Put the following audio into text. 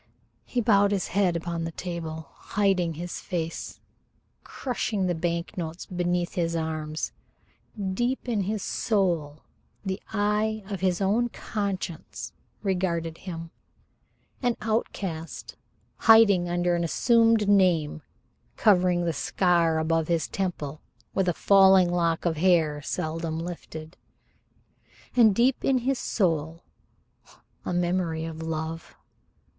He bowed his head upon the table, hiding his face, crushing the bank notes beneath his arms. Deep in his soul the eye of his own conscience regarded him, an outcast hiding under an assumed name, covering the scar above his temple with a falling lock of hair seldom lifted, and deep in his soul a memory of a love.